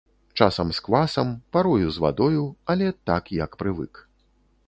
Часам з квасам, парою з вадою, але так, як прывык.